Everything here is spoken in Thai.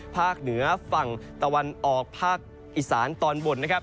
เหนือฝั่งตะวันออกภาคอีสานตอนบนนะครับ